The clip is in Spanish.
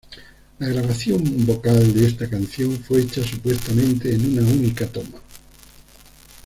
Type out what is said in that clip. La grabación vocal de esta canción fue hecha supuestamente en una única toma.